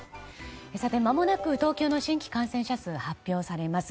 まもなく東京の新規感染者数が発表されます。